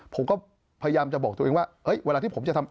ผมก็พยายามจะบอกตัวเองว่าเฮ้ยเวลาที่ผมจะทำ